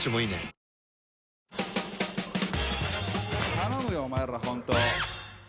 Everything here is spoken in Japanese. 頼むよお前らホント。